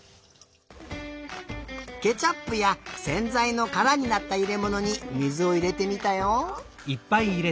ケチャップやせんざいのからになったいれものに水をいれてみたよ。